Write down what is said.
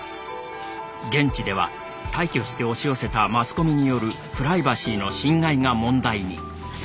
現地では大挙して押し寄せたマスコミによるプライバシーの侵害が問題に。